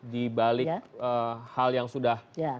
di balik hal yang sudah